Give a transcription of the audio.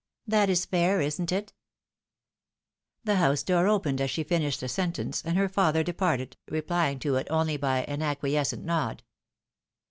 That is fair, isn't it ?" The house door opened as she finished the sentence, and H 2 116 THE WIDOW MARRIED. her father departed, replying to it only by an acquiescent nod.